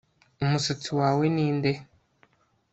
umusatsi wawe ninde